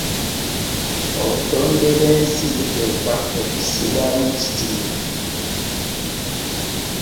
Obutonde bw'ensi buteekwa okussibwamu ekitiibwa.